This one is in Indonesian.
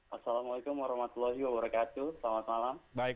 assalamualaikum wr wb selamat malam